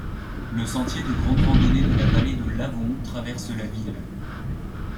Le sentier de grande randonnée de la vallée de l'Avon traverse la ville.